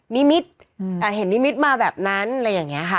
นิมิตเห็นนิมิตมาแบบนั้นอะไรอย่างนี้ค่ะ